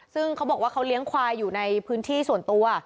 ซึ่งเขาบอกว่าเขาเลี้ยงควายอยู่ในพื้นที่ส่วนตัว